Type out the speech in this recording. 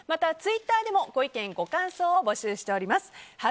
ツイッターでもご意見、ご感想を募集しております。